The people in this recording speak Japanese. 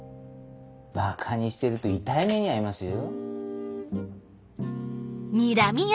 ばかにしてると痛い目に遭いますよ。